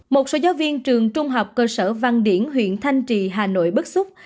một số giáo viên trường trung học cơ sở văn điển huyện thanh trì hà nội bất xúc